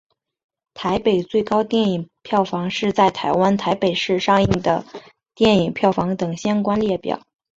台北最高电影票房是在台湾台北市上映的电影票房等相关列表。